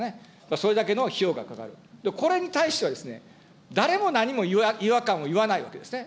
それだけの費用がかかる、これに対してはですね、誰も何も違和感を言わないわけですね。